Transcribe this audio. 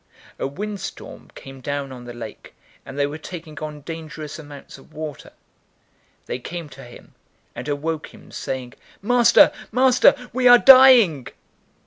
A wind storm came down on the lake, and they were taking on dangerous amounts of water. 008:024 They came to him, and awoke him, saying, "Master, master, we are dying!"